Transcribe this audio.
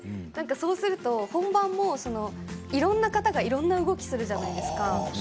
なんかそうすると本番もいろんな方がいろんな動きをするじゃないですか。